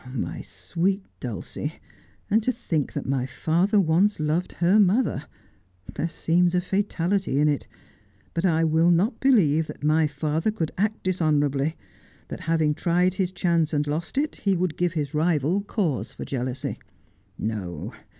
' My sweet Dulcie ! And to think thatmy father once loved her mother ! There seems a fatality in it. But I will not believe that my father could act dishonourably ; that, having tried his chance and lost it, he would give his rival cause for jealousy. No.